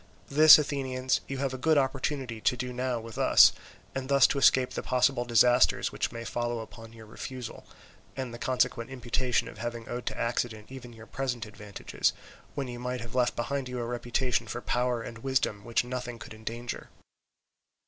This, Athenians, you have a good opportunity to do now with us, and thus to escape the possible disasters which may follow upon your refusal, and the consequent imputation of having owed to accident even your present advantages, when you might have left behind you a reputation for power and wisdom which nothing could endanger.